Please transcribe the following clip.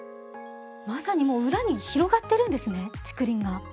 まさにもう裏に広がってるんですね竹林が。